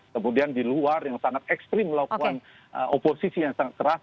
kemudian di luar yang sangat ekstrim melakukan oposisi yang sangat keras